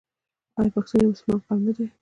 آیا پښتون یو مسلمان قوم نه دی؟